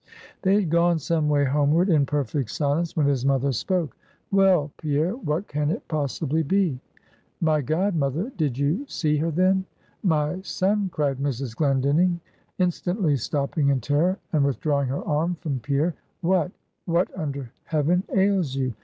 They had gone some way homeward, in perfect silence, when his mother spoke. "Well, Pierre, what can it possibly be!" "My God, mother, did you see her then!" "My son!" cried Mrs. Glendinning, instantly stopping in terror, and withdrawing her arm from Pierre, "what what under heaven ails you?